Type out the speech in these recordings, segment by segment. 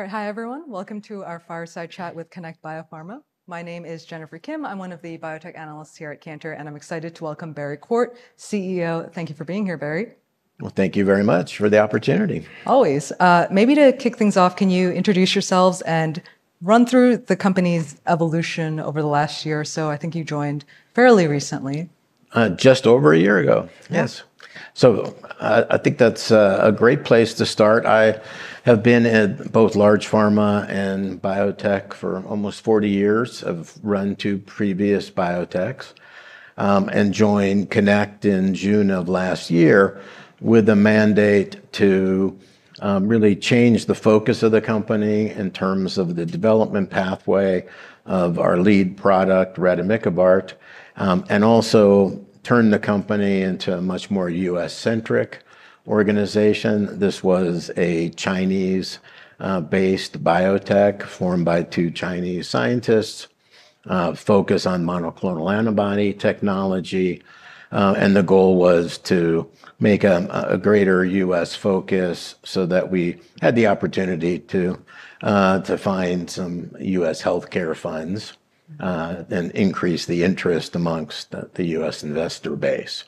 All right, hi everyone. Welcome to our fireside chat with Connect Biopharma. My name is Jennifer Kim. I'm one of the biotech analysts here at Cantor, and I'm excited to welcome Barry Quart, CEO. Thank you for being here, Barry. Thank you very much for the opportunity. Always. Maybe to kick things off, can you introduce yourselves and run through the company's evolution over the last year or so? I think you joined fairly recently. Just over a year ago. Yes. So I think that's a great place to start. I have been at both large pharma and biotech for almost 40 years. I've run two previous biotechs and joined Connect in June of last year with a mandate to really change the focus of the company in terms of the development pathway of our lead product, rademikibart, and also turn the company into a much more U.S.-centric organization. This was a Chinese-based biotech formed by two Chinese scientists focused on monoclonal antibody technology. And the goal was to make a greater U.S. focus so that we had the opportunity to find some U.S. healthcare funds and increase the interest amongst the U.S. investor base.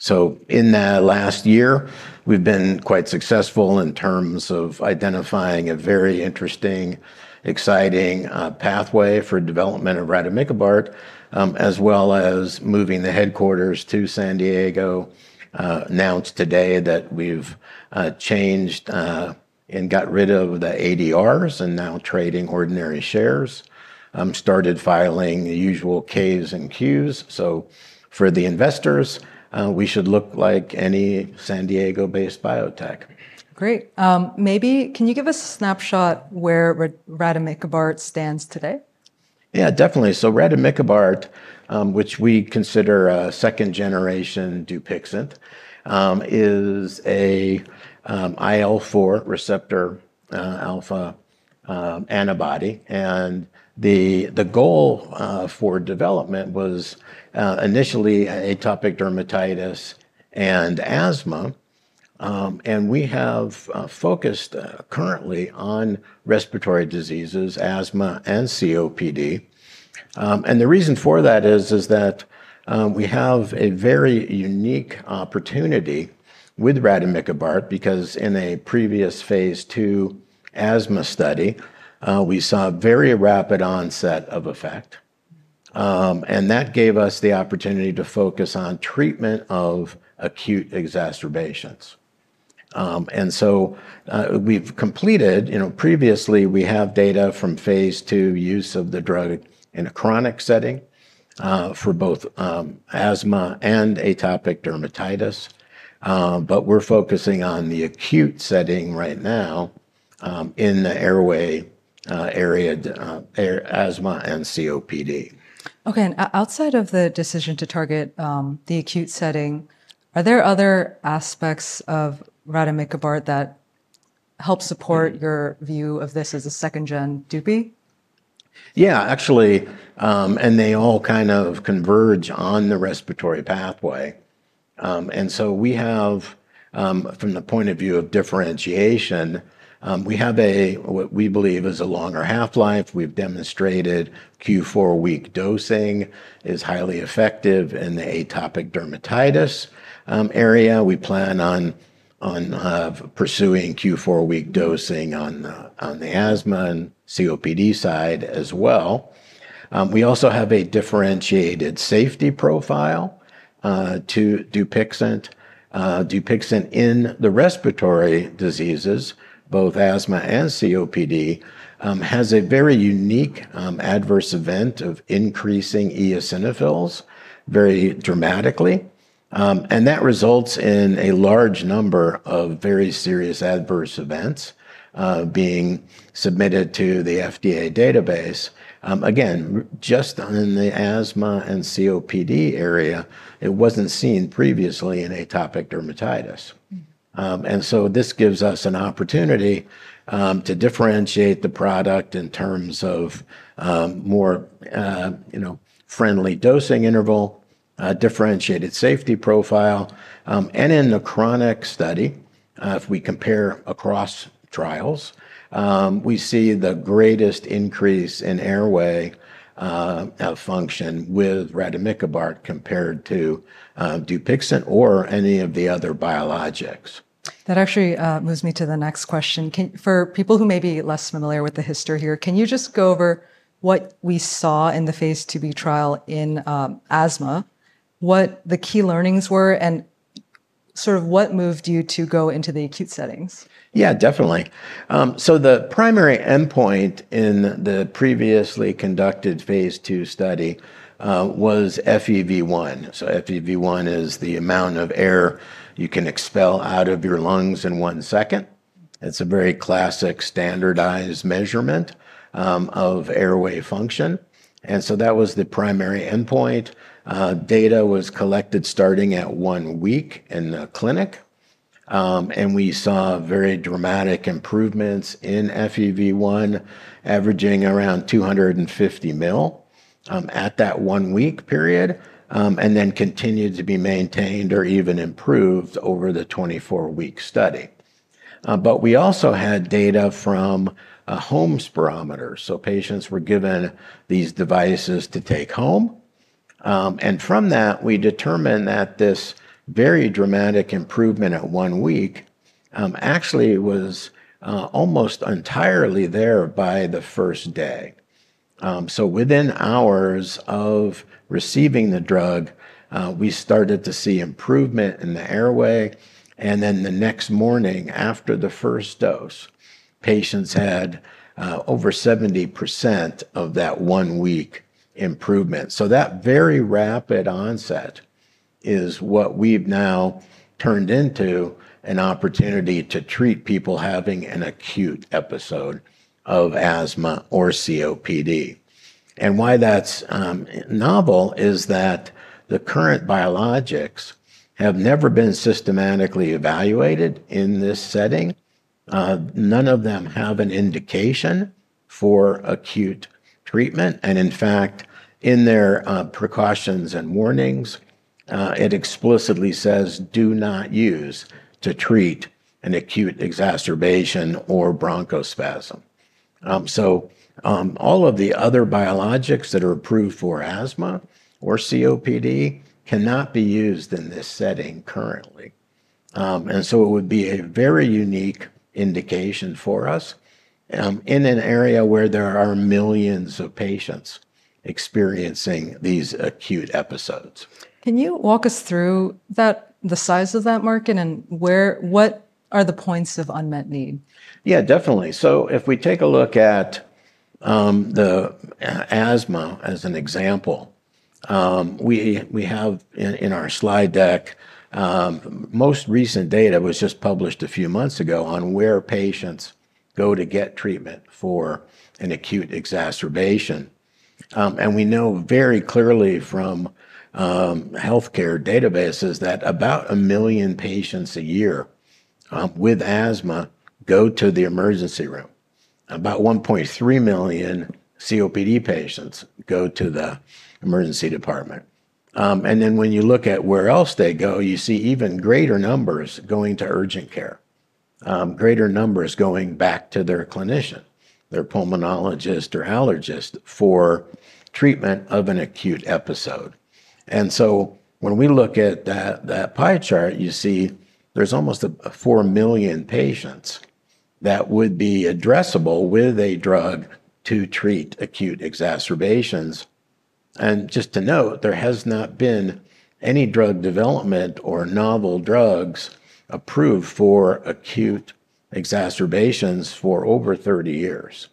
So in the last year, we've been quite successful in terms of identifying a very interesting, exciting pathway for development of rademikibart, as well as moving the headquarters to San Diego. Announced today that we've changed and got rid of the ADRs and now trading ordinary shares. Started filing the usual Ks and Qs. So for the investors, we should look like any San Diego-based biotech. Great. Maybe can you give us a snapshot where rademikibart stands today? Yeah, definitely. So rademikibart, which we consider a second-generation Dupixent, is an IL-4 receptor alpha antibody. And the goal for development was initially atopic dermatitis and asthma. And we have focused currently on respiratory diseases, asthma, and COPD. And the reason for that is that we have a very unique opportunity with rademikibart because in a previous phase II asthma study, we saw a very rapid onset of effect. And that gave us the opportunity to focus on treatment of acute exacerbations. And so we've completed, previously, we have data from phase II use of the drug in a chronic setting for both asthma and atopic dermatitis. But we're focusing on the acute setting right now in the airway area asthma and COPD. Okay. Outside of the decision to target the acute setting, are there other aspects of rademikibart that help support your view of this as a second-gen Dupi? Yeah, actually, they all kind of converge on the respiratory pathway. So we have, from the point of view of differentiation, what we believe is a longer half-life. We've demonstrated Q4 week dosing is highly effective in the atopic dermatitis area. We plan on pursuing Q4 week dosing on the asthma and COPD side as well. We also have a differentiated safety profile to Dupixent. Dupixent in the respiratory diseases, both asthma and COPD, has a very unique adverse event of increasing eosinophils very dramatically. That results in a large number of very serious adverse events being submitted to the FDA database. Again, just in the asthma and COPD area, it wasn't seen previously in atopic dermatitis. This gives us an opportunity to differentiate the product in terms of more friendly dosing interval, differentiated safety profile. In the chronic study, if we compare across trials, we see the greatest increase in airway function with rademikibart compared to Dupixent or any of the other biologics. That actually moves me to the next question. For people who may be less familiar with the history here, can you just go over what we saw in the phase II-B trial in asthma, what the key learnings were, and sort of what moved you to go into the acute settings? Yeah, definitely. So the primary endpoint in the previously conducted phase II study was FEV1. So FEV1 is the amount of air you can expel out of your lungs in one second. It's a very classic standardized measurement of airway function. And so that was the primary endpoint. Data was collected starting at one week in the clinic. And we saw very dramatic improvements in FEV1, averaging around 250 ml at that one week period, and then continued to be maintained or even improved over the 24-week study. But we also had data from home spirometers. So patients were given these devices to take home. And from that, we determined that this very dramatic improvement at one week actually was almost entirely there by the first day. So within hours of receiving the drug, we started to see improvement in the airway. And then the next morning, after the first dose, patients had over 70% of that one-week improvement. So that very rapid onset is what we've now turned into an opportunity to treat people having an acute episode of asthma or COPD. And why that's novel is that the current biologics have never been systematically evaluated in this setting. None of them have an indication for acute treatment. And in fact, in their precautions and warnings, it explicitly says, "Do not use to treat an acute exacerbation or bronchospasm." So all of the other biologics that are approved for asthma or COPD cannot be used in this setting currently. And so it would be a very unique indication for us in an area where there are millions of patients experiencing these acute episodes. Can you walk us through the size of that market and what are the points of unmet need? Yeah, definitely. So if we take a look at the asthma as an example, we have in our slide deck, most recent data was just published a few months ago on where patients go to get treatment for an acute exacerbation. And we know very clearly from healthcare databases that about a million patients a year with asthma go to the emergency room. About 1.3 million COPD patients go to the emergency department. And then when you look at where else they go, you see even greater numbers going to urgent care, greater numbers going back to their clinician, their pulmonologist or allergist for treatment of an acute episode. And so when we look at that pie chart, you see there's almost four million patients that would be addressable with a drug to treat acute exacerbations. Just to note, there has not been any drug development or novel drugs approved for acute exacerbations for over 30 years.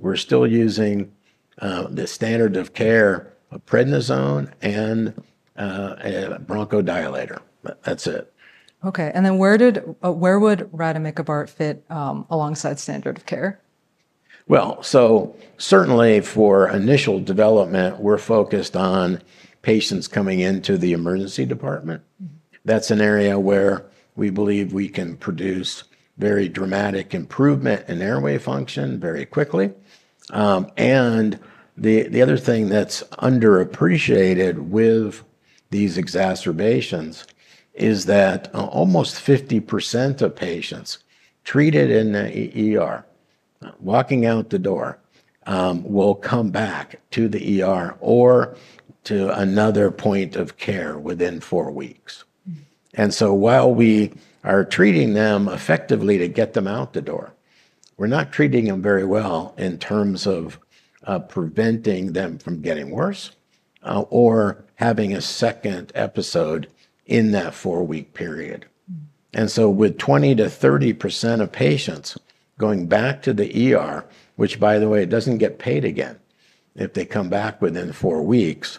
We're still using the standard of care of prednisone and a bronchodilator. That's it. Okay. And then where would rademikibart fit alongside standard of care? Certainly for initial development, we're focused on patients coming into the emergency department. That's an area where we believe we can produce very dramatic improvement in airway function very quickly. The other thing that's underappreciated with these exacerbations is that almost 50% of patients treated and walking out the door will come back to the ER or to another point of care within four weeks. While we are treating them effectively to get them out the door, we're not treating them very well in terms of preventing them from getting worse or having a second episode in that four-week period. And so with 20%-30% of patients going back to the ER, which by the way, it doesn't get paid again if they come back within four weeks,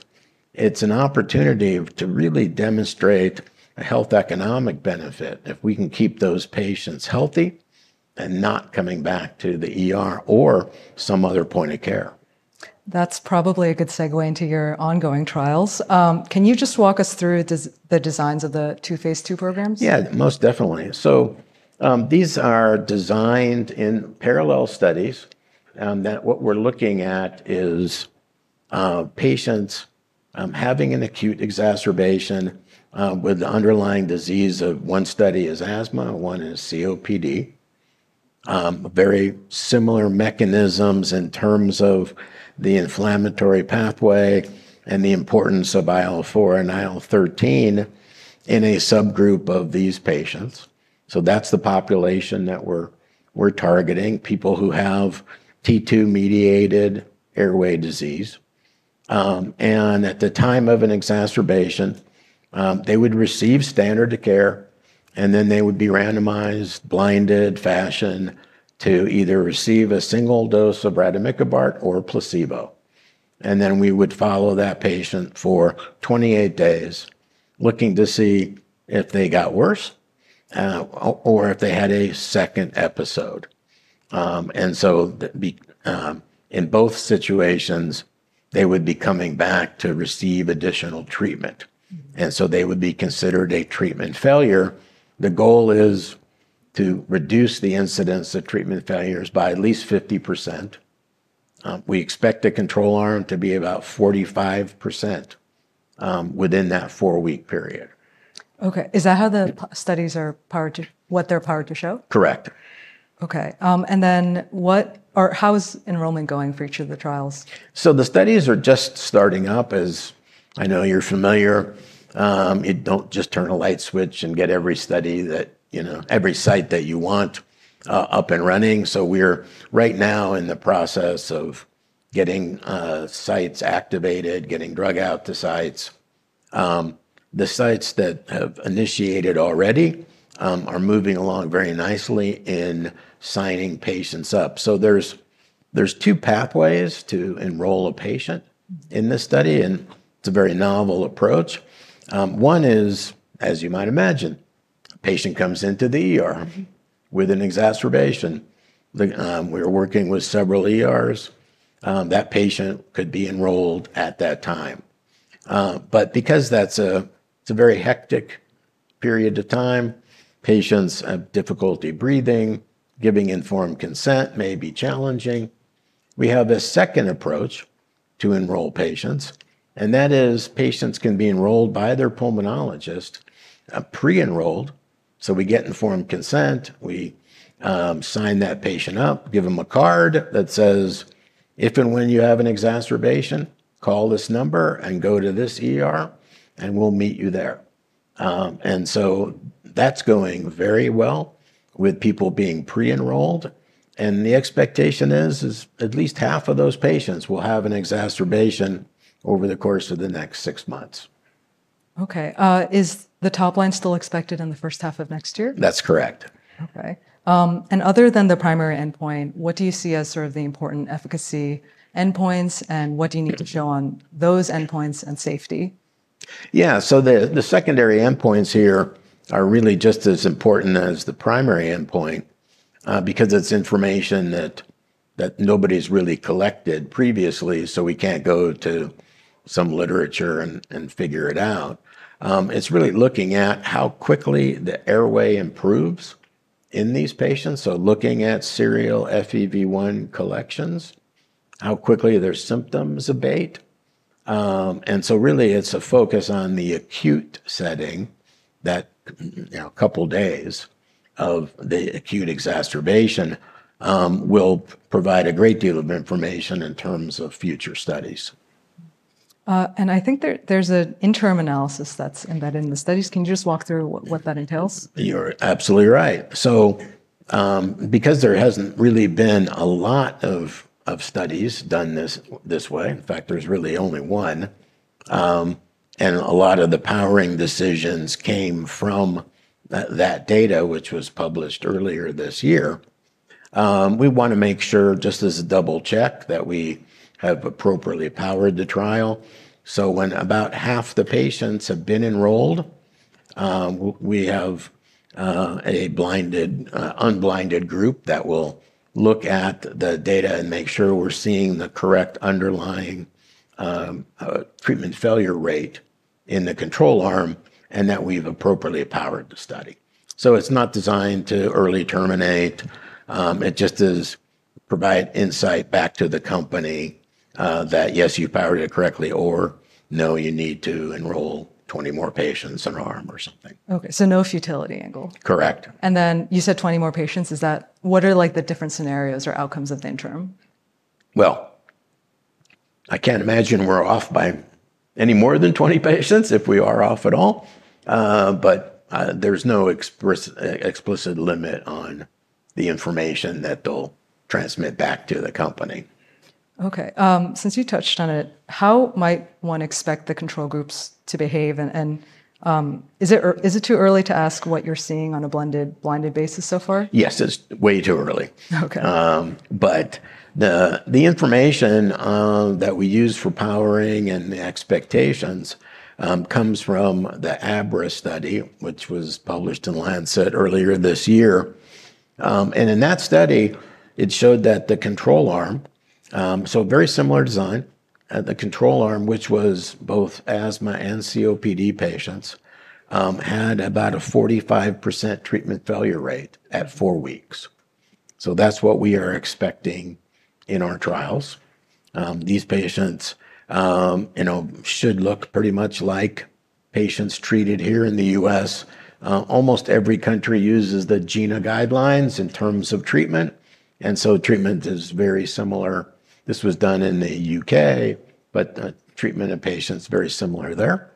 it's an opportunity to really demonstrate a health economic benefit if we can keep those patients healthy and not coming back to the ER or some other point of care. That's probably a good segue into your ongoing trials. Can you just walk us through the designs of the two phase II programs? Yeah, most definitely. So these are designed in parallel studies that what we're looking at is patients having an acute exacerbation with the underlying disease of one study is asthma, one is COPD. Very similar mechanisms in terms of the inflammatory pathway and the importance of IL-4 and IL-13 in a subgroup of these patients. So that's the population that we're targeting, people who have T2 mediated airway disease. And at the time of an exacerbation, they would receive standard of care, and then they would be randomized blinded fashion to either receive a single dose of rademikibart or placebo. And then we would follow that patient for 28 days looking to see if they got worse or if they had a second episode. And so in both situations, they would be coming back to receive additional treatment. And so they would be considered a treatment failure. The goal is to reduce the incidence of treatment failures by at least 50%. We expect the control arm to be about 45% within that four-week period. Okay. Is that how the studies are powered to what they're powered to show? Correct. Okay. And then how is enrollment going for each of the trials? The studies are just starting up as I know, you're familiar. You don't just turn a light switch and get every study that every site that you want up and running. We're right now in the process of getting sites activated, getting drug out to sites. The sites that have initiated already are moving along very nicely in signing patients up. There's two pathways to enroll a patient in this study, and it's a very novel approach. One is, as you might imagine, a patient comes into the ER with an exacerbation. We are working with several ERs. That patient could be enrolled at that time. But because that's a very hectic period of time, patients have difficulty breathing, giving informed consent may be challenging. We have a second approach to enroll patients, and that is patients can be enrolled by their pulmonologist pre-enrolled. So we get informed consent, we sign that patient up, give them a card that says, "If and when you have an exacerbation, call this number and go to this and we'll meet you there." And so that's going very well with people being pre-enrolled. And the expectation is at least half of those patients will have an exacerbation over the course of the next six months. Okay. Is the top line still expected in the first half of next year? That's correct. Okay. And other than the primary endpoint, what do you see as sort of the important efficacy endpoints and what do you need to show on those endpoints and safety? Yeah. So the secondary endpoints here are really just as important as the primary endpoint because it's information that nobody's really collected previously, so we can't go to some literature and figure it out. It's really looking at how quickly the airway improves in these patients. So looking at serial FEV1 collections, how quickly their symptoms abate. And so really it's a focus on the acute setting that a couple of days of the acute exacerbation will provide a great deal of information in terms of future studies. And I think there's an interim analysis that's embedded in the studies. Can you just walk through what that entails? You're absolutely right. So because there hasn't really been a lot of studies done this way, in fact, there's really only one. And a lot of the powering decisions came from that data, which was published earlier this year. We want to make sure, just as a double check, that we have appropriately powered the trial. So when about half the patients have been enrolled, we have a blinded, unblinded group that will look at the data and make sure we're seeing the correct underlying treatment failure rate in the control arm and that we've appropriately powered the study. So it's not designed to early terminate. It just provides insight back to the company that, yes, you powered it correctly, or no, you need to enroll 20 more patients in our arm or something. Okay, so no futility angle. Correct. And then you said 20 more patients. What are the different scenarios or outcomes of the interim? I can't imagine we're off by any more than 20 patients if we are off at all. There's no explicit limit on the information that they'll transmit back to the company. Okay. Since you touched on it, how might one expect the control groups to behave? And is it too early to ask what you're seeing on a blinded basis so far? Yes, it's way too early, but the information that we use for powering and the expectations comes from the ABRA study, which was published in Lancet earlier this year, and in that study, it showed that the control arm, so very similar design, the control arm, which was both asthma and COPD patients, had about a 45% treatment failure rate at four weeks, so that's what we are expecting in our trials. These patients should look pretty much like patients treated here in the U.S. Almost every country uses the GINA guidelines in terms of treatment, and so treatment is very similar. This was done in the U.K., but treatment of patients is very similar there,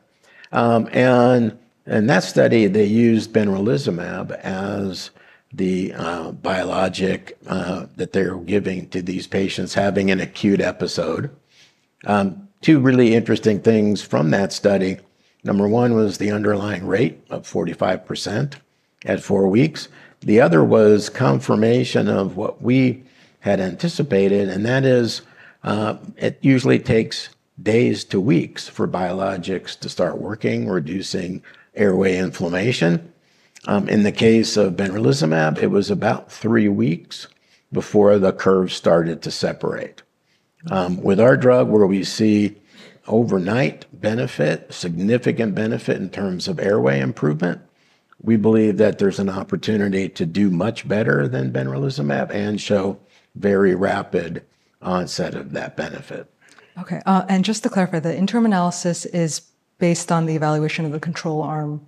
and in that study, they used benralizumab as the biologic that they're giving to these patients having an acute episode. Two really interesting things from that study. Number one was the underlying rate of 45% at four weeks. The other was confirmation of what we had anticipated, and that is it usually takes days to weeks for biologics to start working, reducing airway inflammation. In the case of benralizumab, it was about three weeks before the curve started to separate. With our drug, where we see overnight benefit, significant benefit in terms of airway improvement, we believe that there's an opportunity to do much better than benralizumab and show very rapid onset of that benefit. Okay. And just to clarify, the interim analysis is based on the evaluation of the control arm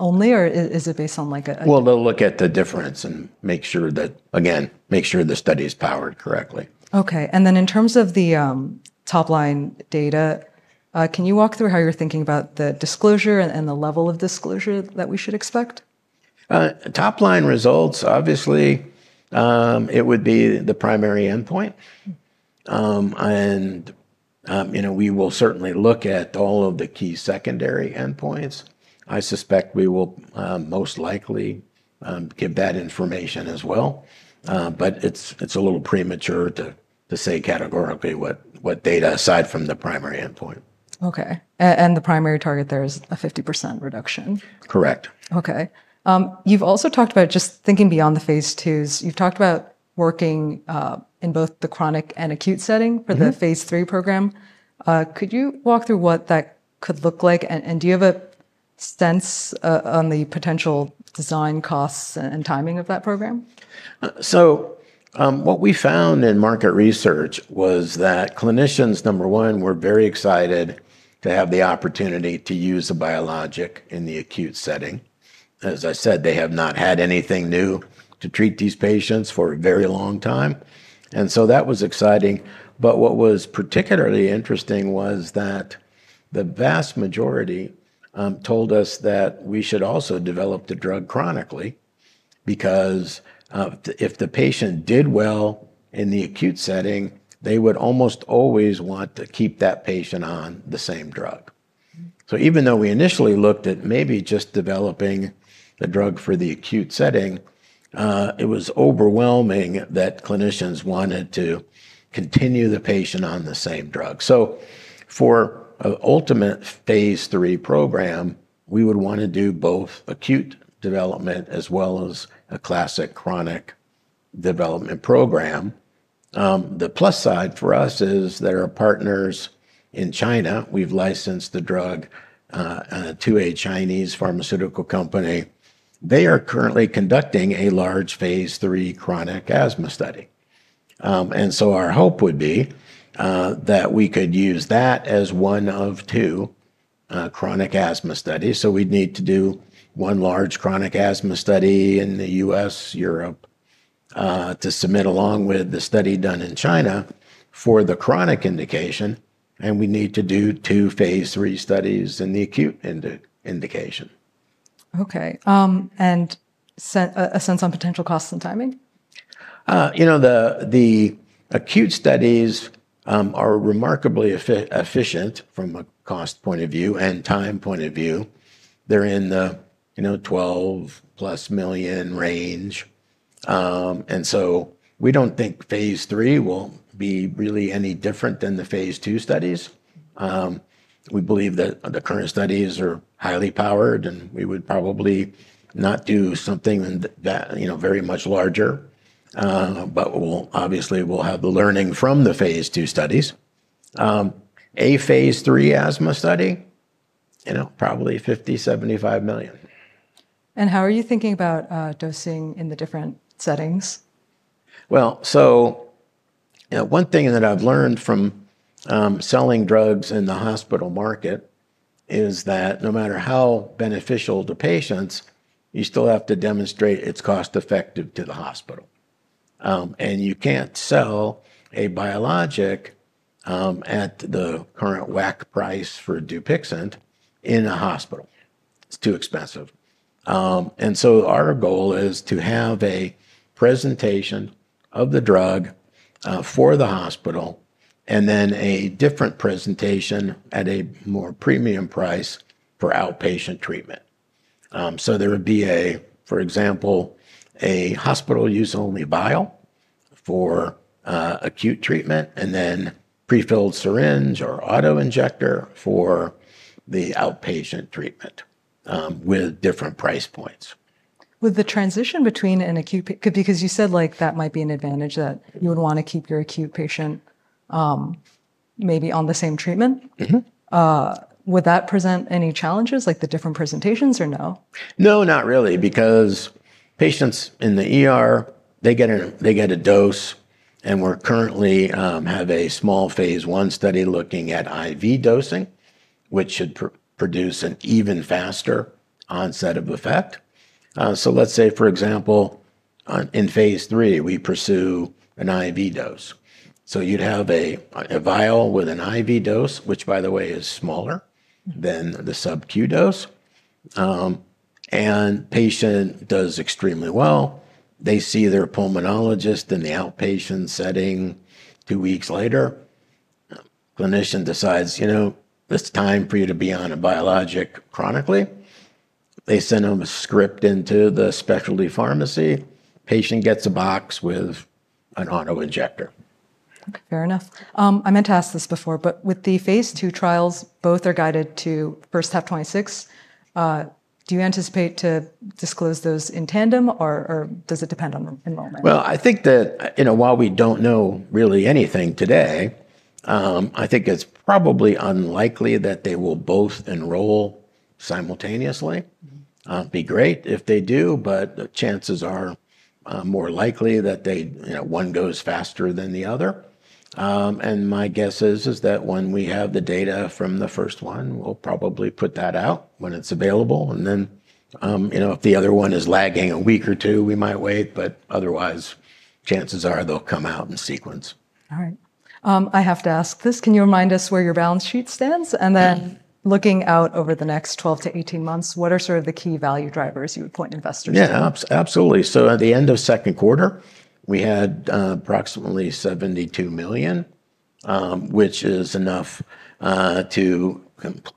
only, or is it based on like a? They'll look at the difference and make sure that, again, make sure the study is powered correctly. Okay. And then in terms of the top line data, can you walk through how you're thinking about the disclosure and the level of disclosure that we should expect? Top line results, obviously, it would be the primary endpoint. And we will certainly look at all of the key secondary endpoints. I suspect we will most likely give that information as well. But it's a little premature to say categorically what data, aside from the primary endpoint. Okay, and the primary target there is a 50% reduction. Correct. Okay. You've also talked about just thinking beyond the phase IIs. You've talked about working in both the chronic and acute setting for the phase III program. Could you walk through what that could look like? And do you have a sense on the potential design costs and timing of that program? So what we found in market research was that clinicians, number one, were very excited to have the opportunity to use a biologic in the acute setting. As I said, they have not had anything new to treat these patients for a very long time. And so that was exciting. But what was particularly interesting was that the vast majority told us that we should also develop the drug chronically because if the patient did well in the acute setting, they would almost always want to keep that patient on the same drug. So even though we initially looked at maybe just developing the drug for the acute setting, it was overwhelming that clinicians wanted to continue the patient on the same drug. So for an ultimate phase III program, we would want to do both acute development as well as a classic chronic development program. The plus side for us is there are partners in China. We've licensed the drug to a Chinese pharmaceutical company. They are currently conducting a large phase III chronic asthma study. And so our hope would be that we could use that as one of two chronic asthma studies. So we'd need to do one large chronic asthma study in the U.S., Europe to submit along with the study done in China for the chronic indication. And we need to do two phase III studies in the acute indication. Okay. And a sense on potential costs and timing? You know, the acute studies are remarkably efficient from a cost point of view and time point of view. They're in the $12 plus million range. And so we don't think phase III will be really any different than the phase II studies. We believe that the current studies are highly powered, and we would probably not do something very much larger. But obviously, we'll have the learning from the phase II studies. A phase III asthma study, probably $50-$75 million. How are you thinking about dosing in the different settings? One thing that I've learned from selling drugs in the hospital market is that no matter how beneficial to patients, you still have to demonstrate it's cost-effective to the hospital. You can't sell a biologic at the current WAC price for Dupixent in a hospital. It's too expensive. Our goal is to have a presentation of the drug for the hospital and then a different presentation at a more premium price for outpatient treatment. There would be, for example, a hospital-use-only vial for acute treatment and then prefilled syringe or auto-injector for the outpatient treatment with different price points. Would the transition between an acute because you said that might be an advantage that you would want to keep your acute patient maybe on the same treatment? Would that present any challenges, like the different presentations or no? No, not really, because patients they get a dose. And we currently have a small phase I study looking at IV dosing, which should produce an even faster onset of effect. So let's say, for example, in phase III, we pursue an IV dose. So you'd have a vial with an IV dose, which, by the way, is smaller than the sub-Q dose. And patient does extremely well. They see their pulmonologist in the outpatient setting two weeks later. Clinician decides, you know, it's time for you to be on a biologic chronically. They send them a script into the specialty pharmacy. Patient gets a box with an auto-injector. Fair enough. I meant to ask this before, but with the phase II trials, both are guided to first have 26. Do you anticipate to disclose those in tandem, or does it depend on enrollment? I think that while we don't know really anything today, I think it's probably unlikely that they will both enroll simultaneously. It'd be great if they do, but chances are more likely that one goes faster than the other, my guess is that when we have the data from the first one, we'll probably put that out when it's available, then if the other one is lagging a week or two, we might wait, but otherwise, chances are they'll come out in sequence. All right. I have to ask this. Can you remind us where your balance sheet stands? And then looking out over the next 12-18 months, what are sort of the key value drivers you would point investors to? Yeah, absolutely. So at the end of second quarter, we had approximately $72 million, which is enough to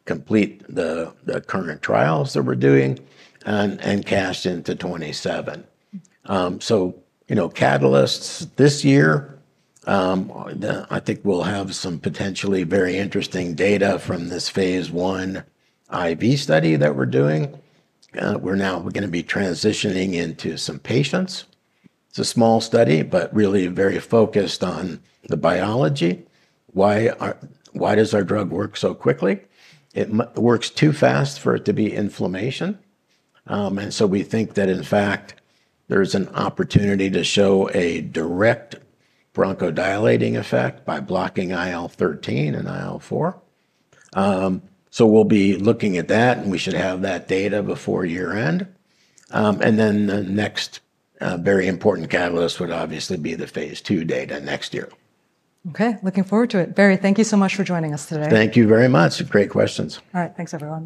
complete the current trials that we're doing and cash down to $27 million. So catalysts this year, I think we'll have some potentially very interesting data from this phase I IV study that we're doing. We're now going to be transitioning into some patients. It's a small study, but really very focused on the biology. Why does our drug work so quickly? It works too fast for it to be inflammation. And so we think that, in fact, there is an opportunity to show a direct bronchodilating effect by blocking IL-13 and IL-4. So we'll be looking at that, and we should have that data before year-end. And then the next very important catalyst would obviously be the phase II data next year. Okay. Looking forward to it. Barry, thank you so much for joining us today. Thank you very much. Great questions. All right. Thanks, everyone.